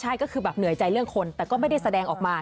ใช่ก็คือแบบเหนื่อยใจเรื่องคนแต่ก็ไม่ได้แสดงออกมา